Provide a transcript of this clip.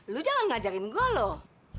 lo jangan ngajakin gue loh